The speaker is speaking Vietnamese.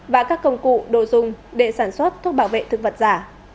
và các công cụ đồ dùng để sản xuất thuốc bảo vệ thực vật giả